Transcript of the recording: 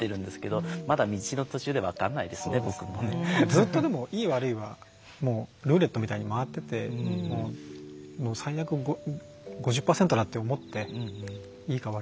ずっとでもいい悪いはルーレットみたいに回ってて最悪５０％だって思っていいか悪いか。